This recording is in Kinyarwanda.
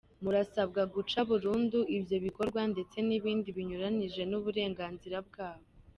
Murasabwa guca burundu ibyo bikorwa ; ndetse n’ibindi binyuranije n’uburenganzira bwabo."